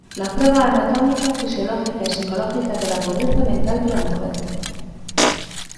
Las pruebas anatómicas, fisiológicas y psicológicas de la pobreza mental de la mujer.